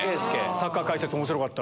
サッカー解説面白かった。